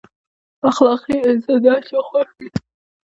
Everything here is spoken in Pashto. اخلاقي انسان د هر چا خوښ وي.